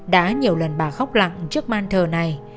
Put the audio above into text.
đã nhiều lần bà khóc lặng trước man thờ này